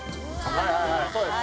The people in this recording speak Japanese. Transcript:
はいはいはいそうです